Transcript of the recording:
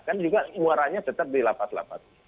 kan juga warahnya tetap dilapas lapas